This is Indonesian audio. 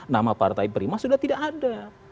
nama partai prima sudah tidak ada